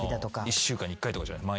１週間に１回とかじゃない。